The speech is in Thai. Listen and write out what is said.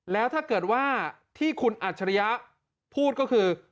แล้วถ้าเกิดว่าที่คุณอัจฉริยะพูดก็คือ